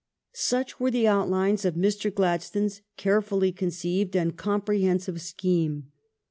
^ Such were the outlines of Mr. Gladstone's carefully conceived and comprehensive scheme.